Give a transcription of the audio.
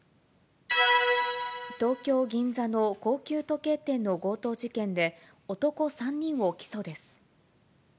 東京・銀座の高級時計店の強盗事件で、男３人を起訴です。